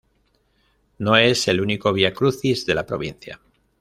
No es el único vía crucis de la provincia.